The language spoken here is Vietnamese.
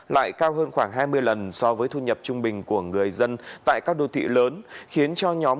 lại cao hơn khoảng hai mươi lần so với thu nhập trung bình của người dân tại các đô thị lớn khiến cho nhóm